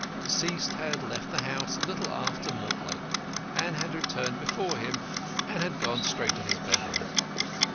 Deceased had left the house a little after Mortlake, but had returned before him, and had gone straight to his bedroom.